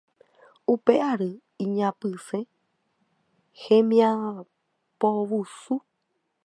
Upe ary iñapysẽ hembiapovusu